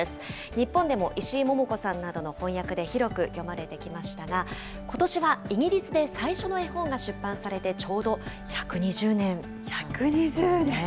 日本でも石井桃子さんなどの翻訳で広く読まれてきましたが、ことしはイギリスで最初の絵本が出版されてちょうど１２０年なん１２０年。